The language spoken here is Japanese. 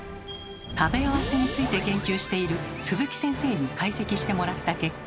食べ合わせについて研究している鈴木先生に解析してもらった結果。